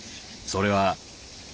それは。